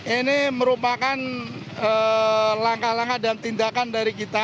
ini merupakan langkah langkah dan tindakan dari kita